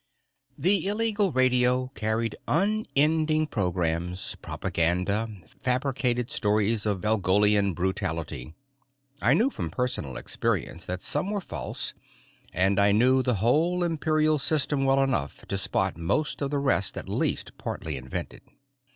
The illegal radio carried unending programs, propaganda, fabricated stories of Valgolian brutality. I knew from personal experience that some were false, and I knew the whole Imperial system well enough to spot most of the rest at least partly invented.